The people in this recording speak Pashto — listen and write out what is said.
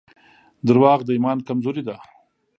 • دروغ د ایمان کمزوري ده.